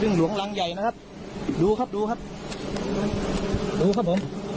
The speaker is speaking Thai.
ซึ่งหลวงรังใหญ่นะครับดูครับดูครับดูครับผม